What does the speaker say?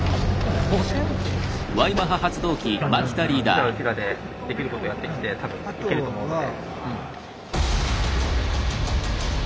うちらはうちらでできることやってきて多分いけると思うので。